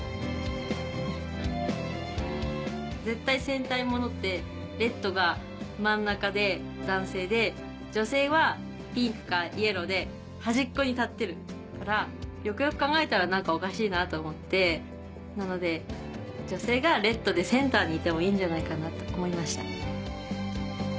絶対戦隊ものってレッドが真ん中で男性で女性はピンクかイエローで端っこに立ってるからよくよく考えたら何かおかしいなと思ってなので女性がレッドでセンターにいてもいいんじゃないかなと思いました。